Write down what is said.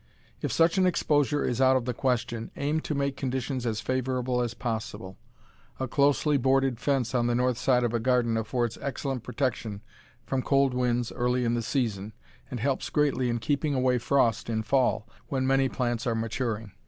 If such an exposure is out of the question, aim to make conditions as favorable as possible. A closely boarded fence on the north side of a garden affords excellent protection from cold winds early in the season, and helps greatly in keeping away frost in fall, when many plants are maturing.